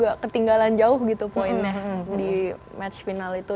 gak ketinggalan jauh gitu poinnya di match final itu